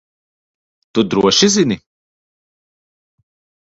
Tu droši zini?